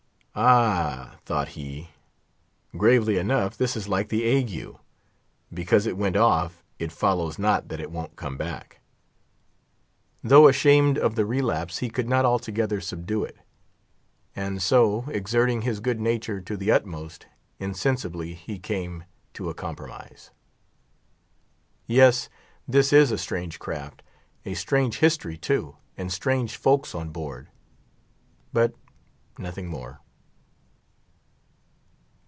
Ah, thought he—gravely enough—this is like the ague: because it went off, it follows not that it won't come back. Though ashamed of the relapse, he could not altogether subdue it; and so, exerting his good nature to the utmost, insensibly he came to a compromise. Yes, this is a strange craft; a strange history, too, and strange folks on board. But—nothing more.